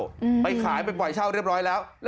ไปขายไปปล่อยเช่าเรียบร้อยแล้ว